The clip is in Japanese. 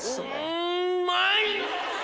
うまい！